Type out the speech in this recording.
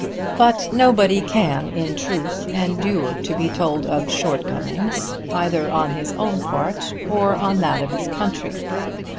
But nobody can, in truth, endure to be told of shortcomings, either on his own part or on that of his country.